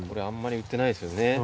あんまり売ってないですよね。